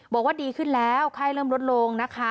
บอกว่าดีขึ้นแล้วไข้เริ่มลดลงนะคะ